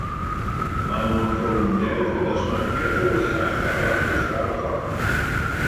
Maen nhw'n frownaidd gyda smotiau tywyllach ar ran uchaf y corff.